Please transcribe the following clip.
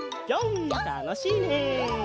たのしいね！